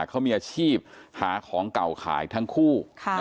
เขามีอาชีพหาของเก่าขายทั้งคู่